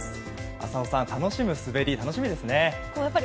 浅尾さん楽しむ滑り、楽しみですね。